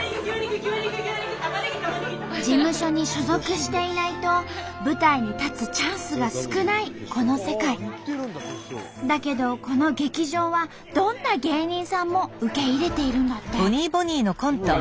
事務所に所属していないと舞台に立つチャンスが少ないこの世界。だけどこの劇場はどんな芸人さんも受け入れているんだって。